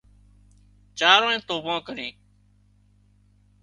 چارانئي توڀان ڪرِي